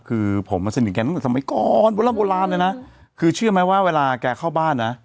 คือผมมันสนิทกันตั้งแต่สมัยก่อนโบราณโบราณเลยนะคือเชื่อไหมว่าเวลาแกเข้าบ้านนะ